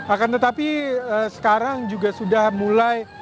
akan tetapi sekarang juga sudah mulai